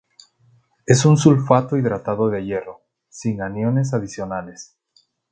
Es un sulfato hidratado de hierro, sin aniones adicionales.